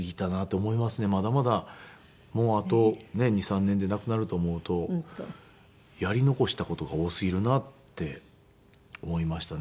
まだまだもうあと２３年で亡くなると思うとやり残した事が多すぎるなって思いましたね。